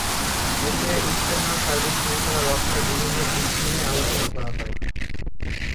এতে ইজতেমার সার্বিক শৃঙ্খলা রক্ষার বিভিন্ন দিক নিয়ে আলোচনা করা হয়।